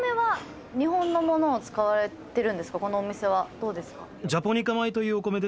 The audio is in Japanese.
このお店はどうですか？